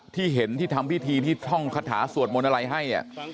ที่เห็นที่ทำพิธีที่ท่องคาถาสวดมนต์อะไรให้